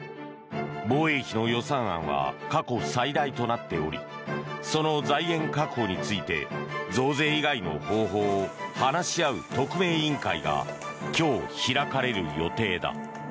防衛費の予算案は過去最大となっておりその財源確保について増税以外の方法を話し合う特命委員会が今日、開かれる予定だ。